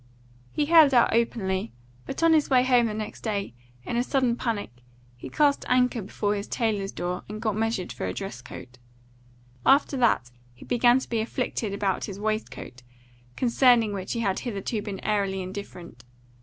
He held out openly, but on his way home the next day, in a sudden panic, he cast anchor before his tailor's door and got measured for a dress coat. After that he began to be afflicted about his waist coat, concerning which he had hitherto been airily indifferent.